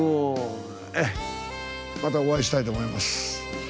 またお会いしたいと思います。